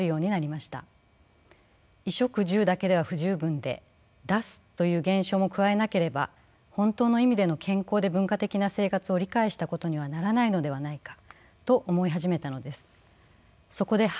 衣食住だけでは不十分で出すという現象も加えなければ本当の意味での健康で文化的な生活を理解したことにはならないのではないかと思い始めたのです。